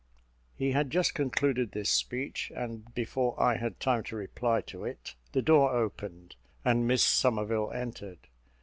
He had just concluded this speech, and before I had time to reply to it, the door opened, and Miss Somerville entered.